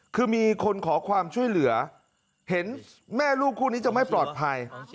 คือมีคนขอความช่วยเหลือเห็นแม่ลูกคู่นี้จะไม่ปลอดภัย